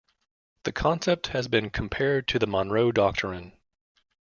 The concept has been compared to the Monroe Doctrine.